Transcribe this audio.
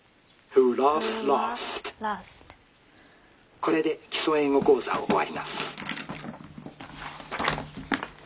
「これで『基礎英語講座』を終わります」。